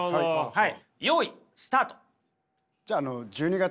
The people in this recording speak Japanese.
はい。